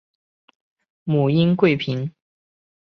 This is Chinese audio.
母殷贵嫔。